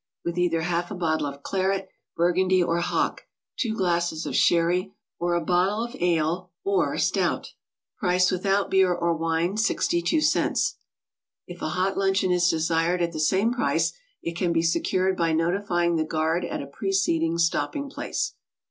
with either half a bottle of claret, bur gundy or hock, two glasses of sherry, or a bottle of ale or 6o GOING ABROAD? stout; price without beer or wine, 62 cts. If a hot luncheon is desired at the same price, it can be secured by notifying the guard at a preceding stopping place.